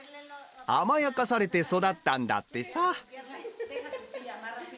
甘やかされて育ったんだってさ。